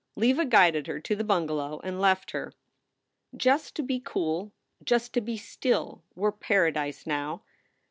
Leva guided her to the bungalow and left her. Just to be cool, just to be still, were paradise enow.